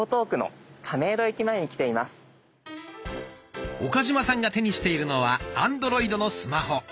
私は岡嶋さんが手にしているのはアンドロイドのスマホ。